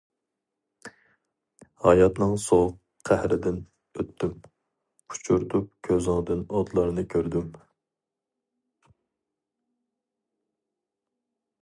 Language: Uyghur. ھاياتنىڭ سوغۇق قەھرىدىن ئۆتتۈم، ئۇچۇرتۇپ كۆزۈڭدىن ئوتلارنى كۆردۈم.